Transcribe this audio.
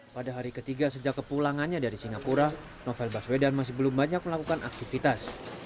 pada hari ketiga sejak kepulangannya dari singapura novel baswedan masih belum banyak melakukan aktivitas